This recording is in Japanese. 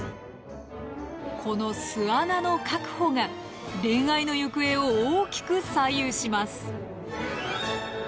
この巣穴の確保が恋愛の行方を大きく左右します。